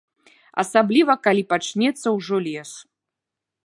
Асабліва калі пачнецца ўжо лес.